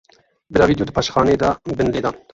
Bila vîdyo di paşxanê de bên lêdan.